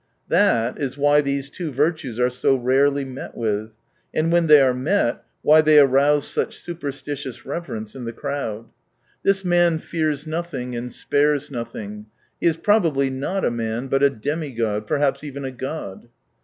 That is why these two virtues are so rarely met with, and when they are met, why they arouse such super stitious reverence in the crowd. " This man 54 fears nothing and spares nothing : he is probably not a man, but a demi god, perhaps even a god."